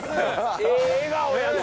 ええ笑顔やな。